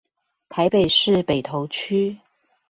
台北市北投區